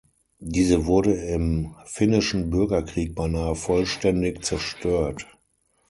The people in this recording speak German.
Diese wurde im Finnischen Bürgerkrieg beinahe vollständig zerstört.